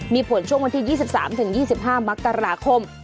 มีผลช่วงวันที่๒๓๒๕มกราคม